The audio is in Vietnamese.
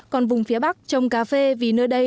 còn vùng phía bắc trồng cà phê vì nơi đây